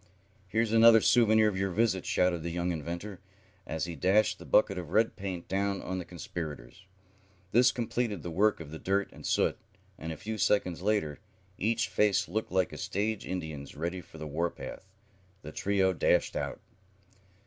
"Here's another souvenir of your visit," shouted the young inventor, as he dashed the bucket of red paint down on the conspirators. This completed the work of the dirt and soot, and a few seconds later, each face looking like a stage Indian's ready for the war path, the trio dashed out.